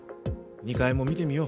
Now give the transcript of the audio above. ２階も見てみよう。